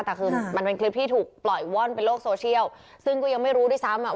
แต่คือมันเป็นคลิปที่ถูกปล่อยว่อนเป็นโลกโซเชียลซึ่งก็ยังไม่รู้ด้วยซ้ำอ่ะ